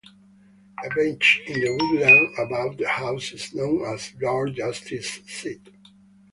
A bench in the woodland above the house is known as 'Lord Justice Seat'.